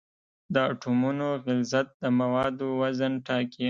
د اټومونو غلظت د موادو وزن ټاکي.